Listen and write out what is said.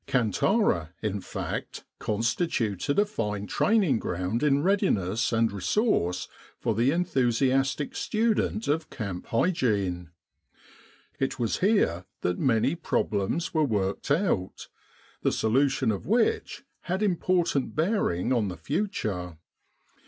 Kantara, in fact, constituted a fine training ground in readiness and resource for the enthusiastic student of camp hygiene. It was here that many problems were worked out, the solution of which had important bearing on the future.